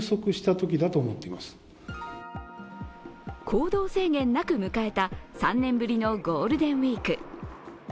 行動制限なく迎えた３年ぶりのゴールデンウイーク。